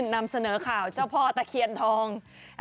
นำเสนอข่าวเจ้าพ่อตะเคียนทอง